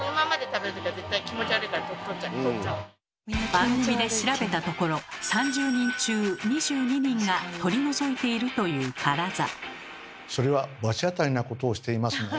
番組で調べたところ３０人中２２人が取り除いているというカラザ。